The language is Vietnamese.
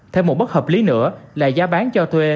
thêm một bất hợp lý nữa là giá bán cho thuê